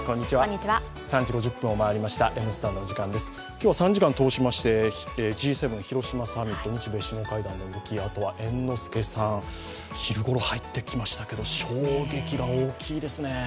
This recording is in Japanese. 今日は３時間通しましてＧ７広島会議、日米首脳会談の動き、そして猿之助さん、昼ごろ入ってきましたけれども、衝撃が大きいですね。